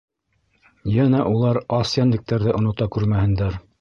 Йәнә улар ас йәнлектәрҙе онота күрмәһендәр!